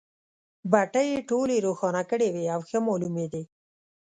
بټۍ یې ټولې روښانه کړې وې او ښه مالومېدې.